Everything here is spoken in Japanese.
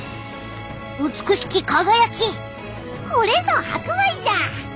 美しき輝きこれぞ白米じゃ！